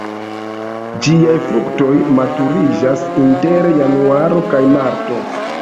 Ĝiaj fruktoj maturiĝas inter januaro kaj marto.